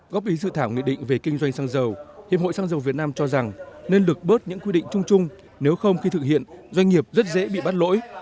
góp ý dự thảo nghị định về kinh doanh xăng dầu hiệp hội xăng dầu việt nam cho rằng nên lực bớt những quy định chung chung nếu không khi thực hiện doanh nghiệp rất dễ bị bắt lỗi